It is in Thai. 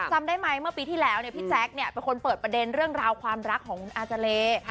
จำได้ไหมเมื่อปีที่แล้วพี่แจ๊คเนี่ยเป็นคนเปิดประเด็นเรื่องราวความรักของคุณอาจารเล